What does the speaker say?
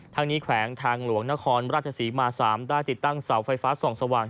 ทั้งนี้แขวงทางหลวงนครราชศรีมา๓ได้ติดตั้งเสาไฟฟ้าส่องสว่าง